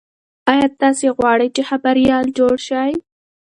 ایا تاسي غواړئ چې خبریال جوړ شئ؟